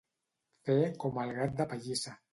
Fer com el gat de pallissa.